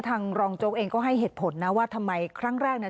รองโจ๊กเองก็ให้เหตุผลนะว่าทำไมครั้งแรกเนี่ย